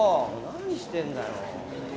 何してんだよ。